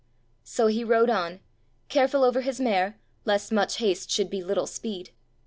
So he rode on, careful over his mare, lest much haste should be little speed.